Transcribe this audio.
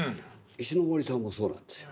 石森さんもそうなんですよ。